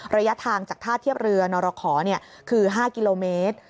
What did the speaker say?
ระยะทางจากท่าเทียบเรือนรขอคือ๕กิโลเมตร